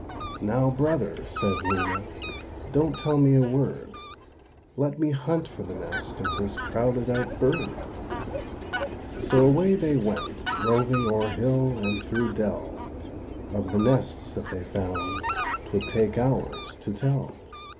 "Now, brother," said Lena, "don't tell me a word, Let me hunt for the nest of this crowded out bird," So away they went roving o'er hill and through dell; Of the nests that they found 'twould take hours to tell.